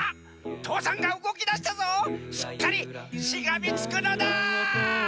父山がうごきだしたぞしっかりしがみつくのだ！